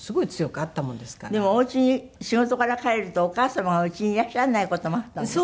でもお家に仕事から帰るとお母様が家にいらっしゃらない事もあったんですって？